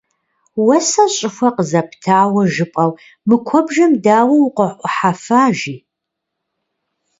- Уэ сэ щӀыхуэ къызэптауэ жыпӀэу, мы куэбжэм дауэ укъыӀухьэфа, – жи.